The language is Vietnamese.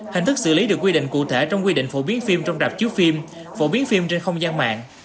hình thức xử lý được quy định cụ thể trong quy định phổ biến phim trong rạp chiếu phim phổ biến phim trên không gian mạng